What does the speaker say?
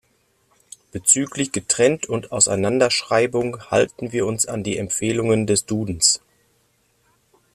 Bezüglich Getrennt- und Auseinanderschreibung halten wir uns an die Empfehlungen des Dudens.